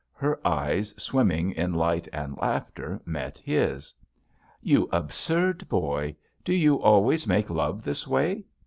Her eyes, swimming in light and laughter, met his. "You absurd boyl Do you always make love this way?